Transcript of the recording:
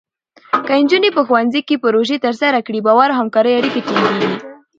که نجونې په ښوونځي کې پروژې ترسره کړي، باور او همکارۍ اړیکې ټینګېږي.